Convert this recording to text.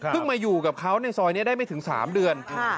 มาอยู่กับเขาในซอยนี้ได้ไม่ถึง๓เดือน